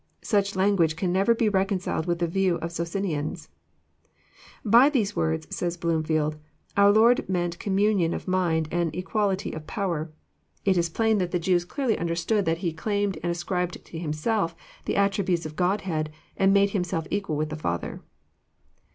Such language can never be reconciled with the views of Socinians. By these words," says Bloomfleld, " our Lord meant com munion of mind and equality of power. It is plain that the Jews clearly understood that He claimed and ascribed to Himself the attributes of Godhead, and made Himself equal with the Father."